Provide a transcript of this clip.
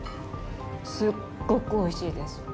すっごくおいしいです。